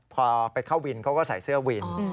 พอไปเข้าวินเขาก็ใส่เสื้อวิน